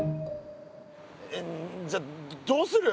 えっじゃあどうする？